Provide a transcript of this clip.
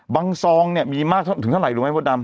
ซองเนี่ยมีมากถึงเท่าไหร่รู้ไหมมดดำ